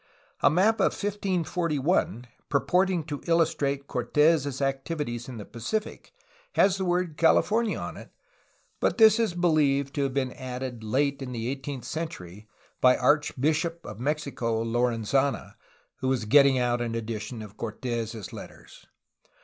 A map of 1541, purporting to illustrate Cortes' activities in the Pacific, has the word "California" on it, but this is believed to have been added late in the eighteenth century by Archbishop (of Mexico) Lorenzana, who was getting out an edition of Cortes' letters.